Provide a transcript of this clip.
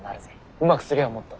うまくすりゃもっと。